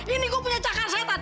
ini gue punya cakar setan